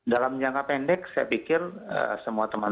dalam jangka pendek saya rasa itu adalah hal yang harus diperhatikan